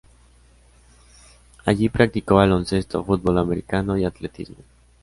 Allí practicó baloncesto, fútbol americano y atletismo.